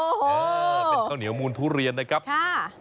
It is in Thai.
เออเป็นข้าวเหนียวมูลทุเรียนนะครับค่ะ